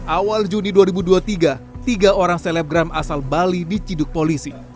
awal juni dua ribu dua puluh tiga tiga orang selebgram asal bali diciduk polisi